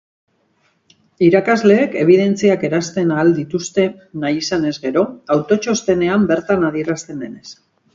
Irakasleek ebidentziak eransten ahal dituzte nahi izanez gero, autotxostenean bertan adierazten denez.